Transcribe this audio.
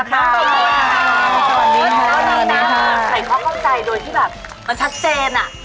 ใครเข้าใจโดยที่แบบมันชัดเจนอะ